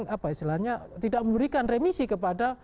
apa istilahnya tidak memberikan remisi kepada